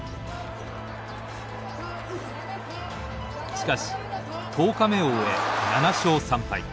しかし十日目を終え７勝３敗。